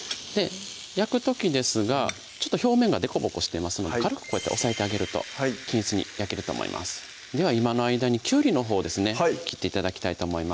焼く時ですがちょっと表面が凸凹してますので軽くこうやって押さえてあげると均一に焼けると思いますでは今の間にきゅうりのほうですね切って頂きたいと思います